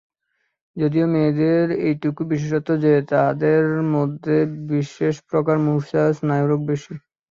যদিও মেয়েদের এইটুকু বিশেষত্ব যে, তাঁহাদের মধ্যে বিশেষ প্রকার মূর্ছা ও স্নায়ুরোগ বেশী।